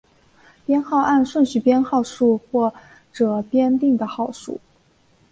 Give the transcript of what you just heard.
编号按顺序编号数或者编定的号数。